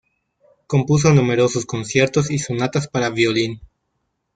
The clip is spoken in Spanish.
Compuso numerosos conciertos y sonatas para violín.